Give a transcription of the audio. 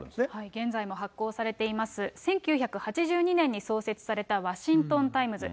現在も発行されています、１９８２年に創設されたワシントン・タイムズ。